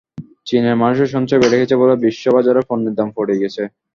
চীনের মানুষের সঞ্চয় বেড়ে গেছে বলে বিশ্ববাজারে পণ্যের দাম পড়ে গেছে।